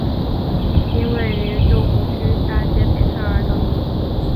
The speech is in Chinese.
因位于旧鼓楼大街北侧而得名。